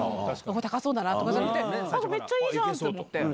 ここ高そうだなとかじゃなくて、めっちゃいいじゃんと思って。